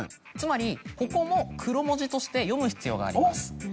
つまりここも黒文字として読む必要があります。